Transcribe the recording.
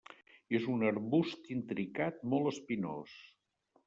És un arbust intricat molt espinós.